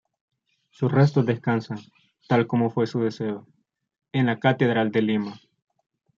Sus restos descansan, tal como fue su deseo, en la Catedral de Lima.